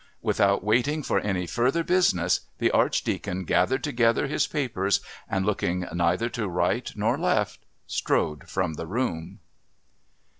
Without waiting for any further business the Archdeacon gathered together his papers and, looking neither to right nor left, strode from the room.